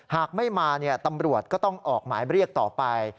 หากไม่มาตำรวจก็ต้องออกหมายเรียกต่อไป